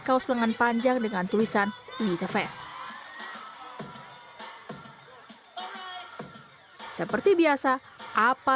sangat santai ia mengenakan kaos lengan panjang dengan tulisan with the fast seperti biasa apa